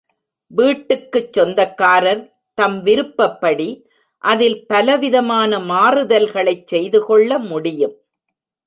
வீட்டுக்குச் சொந்தக்காரர் தம் விருப்பப்படி அதில் பலவிதமான மாறுதல்களைச் செய்து கொள்ள முடியும்.